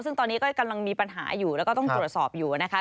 ซึ่งตอนนี้ก็กำลังมีปัญหาอยู่แล้วก็ต้องตรวจสอบอยู่นะคะ